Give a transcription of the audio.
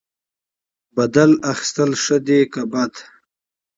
انتقام اخیستل ښه دي که بد؟